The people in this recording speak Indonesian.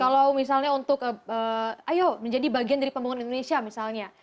kalau misalnya untuk ayo menjadi bagian dari pembangunan indonesia misalnya